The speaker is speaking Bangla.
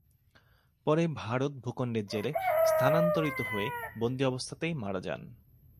পরে ভারত ভূখণ্ডের জেলে স্থানান্তরিত হয়ে বন্দি অবস্থাতেই মারা যান।